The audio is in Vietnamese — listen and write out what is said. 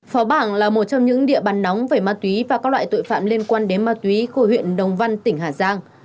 phó bảng là một trong những địa bàn nóng về ma túy và các loại tội phạm liên quan đến ma túy của huyện đồng văn tỉnh hà giang